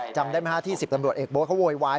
จำได้ไหมฮะที่๑๐ตำรวจเอกโบ๊ทเขาโวยวาย